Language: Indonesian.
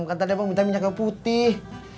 kan tadi bang minta minyaknya putih